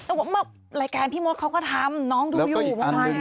แต่ว่ารายการพี่มดก็ทำนางสมมุติอยู่